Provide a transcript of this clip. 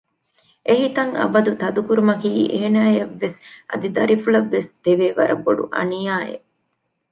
އެހިތަށް އަބަދު ތަދުކުރުމަކީ އޭނައަށްވެސް އަދި ދަރިފުޅަށްވެސް ދެވޭ ވަރަށް ބޮޑު އަނިޔާއެއް